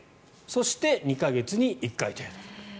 そして、２か月に１回程度。